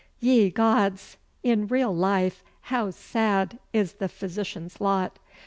Ye gods! In real life how sad is the physician's lot!